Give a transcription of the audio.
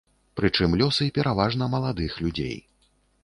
Прычым лёсы пераважна маладых людзей.